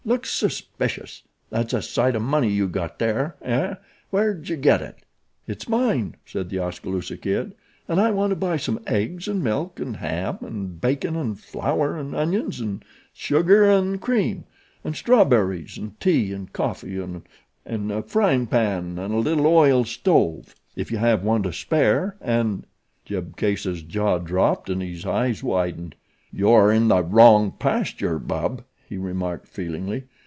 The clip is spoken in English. Looks suspicious. That's a sight o' money yew got there, eh? Where'dje get it?" "It's mine," said The Oskaloosa Kid, "and I want to buy some eggs and milk and ham and bacon and flour and onions and sugar and cream and strawberries and tea and coffee and a frying pan and a little oil stove, if you have one to spare, and " Jeb Case's jaw dropped and his eyes widened. "You're in the wrong pasture, bub," he remarked feelingly.